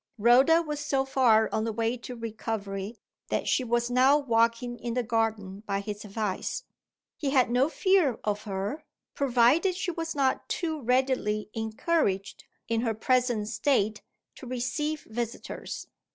Rhoda was so far on the way to recovery, that she was now walking in the garden by his advice. He had no fear of her, provided she was not too readily encouraged, in her present state, to receive visitors.